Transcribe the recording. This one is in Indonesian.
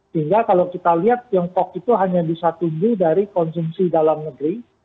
sehingga kalau kita lihat tiongkok itu hanya bisa tumbuh dari konsumsi dalam negeri